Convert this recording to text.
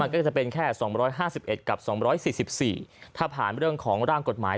ก็จะเป็นแค่๒๕๑กับ๒๔๔ถ้าผ่านเรื่องของร่างกฎหมาย